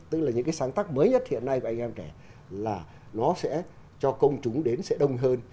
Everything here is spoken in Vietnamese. tức là những cái sáng tác mới nhất hiện nay của anh em trẻ là nó sẽ cho công chúng đến sẽ đông hơn